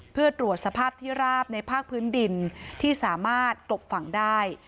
เพื่อตรวจสภาพที่ราบในภาคพื้นดินที่สามารถกลบฝั่งได้